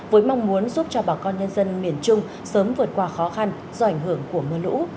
với mong muốn giúp cho bà con nhân dân miền trung sớm vượt qua khó khăn do ảnh hưởng của mưa lũ